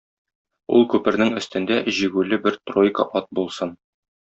Ул күпернең өстендә җигүле бер тройка ат булсын.